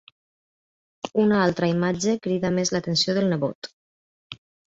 Una altra imatge crida més l'atenció del nebot.